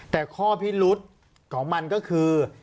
แต่ข้อพิรุษของมันก็คือ